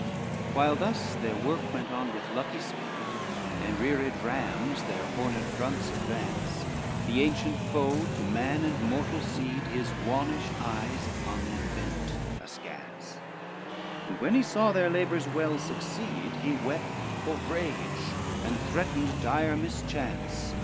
I While thus their work went on with lucky speed, And reared rams their horned fronts advance, The Ancient Foe to man, and mortal seed, His wannish eyes upon them bent askance; And when he saw their labors well succeed, He wept for rage, and threatened dire mischance.